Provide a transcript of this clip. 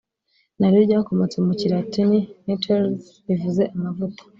naryo ryakomotse mu Kilatini “Natalis” bivuze “amavuka”